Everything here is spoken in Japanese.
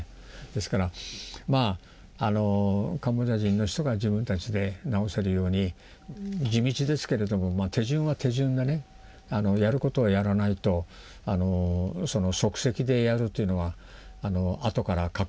ですからまああのカンボジア人の人が自分たちで直せるように地道ですけれども手順は手順でねやることはやらないと即席でやるというのは後から禍根を残しますから。